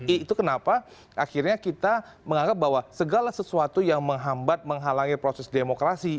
itu kenapa akhirnya kita menganggap bahwa segala sesuatu yang menghambat menghalangi proses demokrasi